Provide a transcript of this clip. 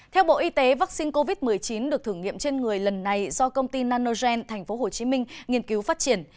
theo bộ y tế vaccine covid một mươi chín được thử nghiệm trên người lần này do công ty nanogen tp hcm nghiên cứu phát triển